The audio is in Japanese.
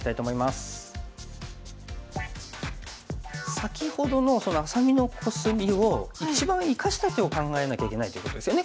先ほどのその愛咲美のコスミを一番生かした手を考えなきゃいけないってことですよね